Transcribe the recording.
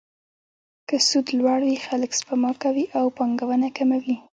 که سود لوړ وي، خلک سپما کوي او پانګونه کمه وي.